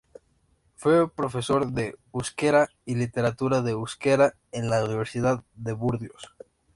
Fue profesor de euskera y literatura en euskera en la universidad de Burdeos.